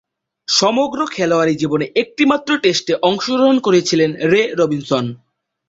সমগ্র খেলোয়াড়ী জীবনে একটিমাত্র টেস্টে অংশগ্রহণ করেছেন রে রবিনসন।